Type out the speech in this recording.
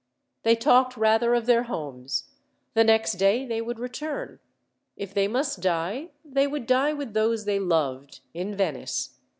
They talked rather of their homes. The next day they would return. If they must die, they would die with those they loved, in Venice.